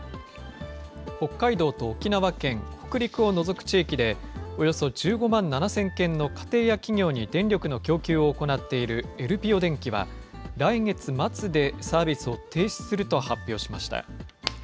北海道と沖縄県、北陸を除く地域で、およそ１５万７０００件の家庭や企業に電力の供給を行っているエルピオでんきは、来月末でサービスを停止すると発表しました。